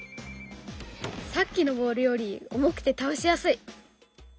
さっきのボールより重くて倒しやすい。